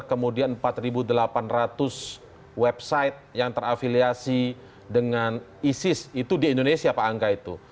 kemudian empat delapan ratus website yang terafiliasi dengan isis itu di indonesia pak angka itu